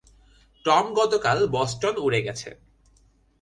Tom গতকাল Boston উড়ে গেছে।